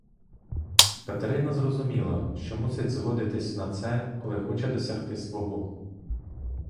Катерина зрозуміла, що мусить згодитися на це, коли хоче досягти свого.